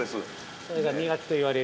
◆それが、身欠きといわれる。